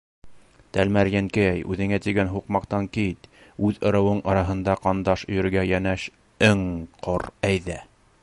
Тәлмәрйенкәй, үҙеңә тигән һуҡмаҡтан кит. Үҙ ырыуың араһында ҡандаш өйөргә йәнәш өң ҡор, әйҙә.